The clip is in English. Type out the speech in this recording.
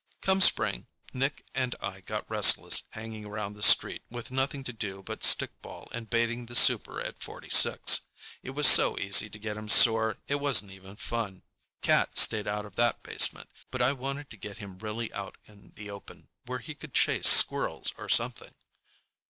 Come spring, Nick and I got restless hanging around the street, with nothing to do but stickball and baiting the super at Forty six. It was so easy to get him sore, it wasn't even fun. Cat stayed out of that basement, but I wanted to get him really out in the open, where he could chase squirrels or something.